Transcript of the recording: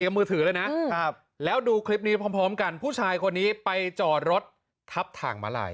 มือถือเลยนะครับแล้วดูคลิปนี้พร้อมกันผู้ชายคนนี้ไปจอดรถทับทางมาลาย